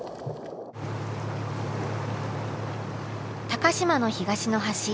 高島の東の端